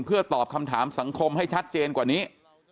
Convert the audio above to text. เพื่อตอบคำถามสังคมให้ชัดเจนกว่านี้